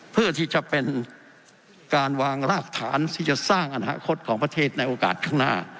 เพื่อที่จะเป็นการวางรากฐานที่จะสร้างอนาคตของประเทศในโอกาสข้างหน้า